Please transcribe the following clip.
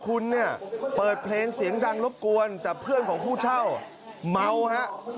คุณเนี่ยเปิดเพลงเสียงดังรบกวนแต่เพื่อนของผู้เช่าเมาฮะ